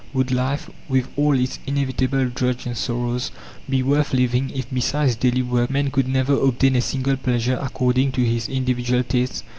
Would life, with all its inevitable drudge and sorrows, be worth living, if, besides daily work, man could never obtain a single pleasure according to his individual tastes?